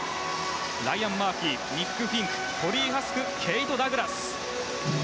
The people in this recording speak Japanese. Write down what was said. ライアン・マーフィーニック・フィンクケイト・ダグラス。